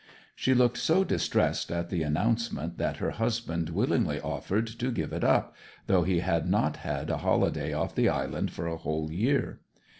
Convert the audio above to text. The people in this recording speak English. She looked so distressed at the announcement that her husband willingly offered to give it up, though he had not had a holiday off the island for a whole year.